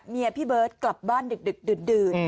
เมียพี่เบิร์ทกลับบ้านดึด